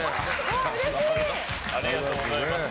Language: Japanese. ありがとうございます。